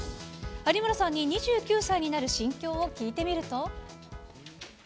有村さんに２９歳になる心境を聞いてみると。